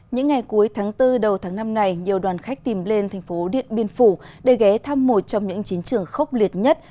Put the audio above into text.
những ngày cuối tháng bốn đầu tháng năm này nhiều đoàn khách tìm lên thành phố điện biên phủ để ghé thăm một trong những chiến trường khốc liệt nhất